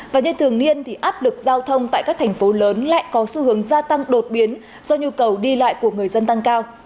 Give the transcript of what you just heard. và như thường niên thì áp lực giao thông tại các thành phố lớn lại có xu hướng gia tăng đột biến do nhu cầu đi lại của người dân tăng cao